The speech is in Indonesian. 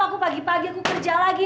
aku pagi pagi aku kerja lagi